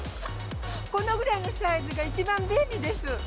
このぐらいのサイズが一番便利です。